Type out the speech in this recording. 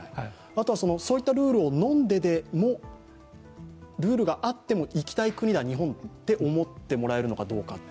あとはそういったルールをのんででも、ルールがあっても行きたい国が日本と思ってもらえるのかどうか。